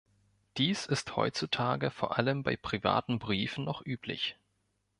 Dies ist heutzutage vor allem bei privaten Briefen noch üblich.